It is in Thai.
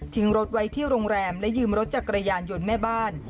รถไว้ที่โรงแรมและยืมรถจักรยานยนต์แม่บ้าน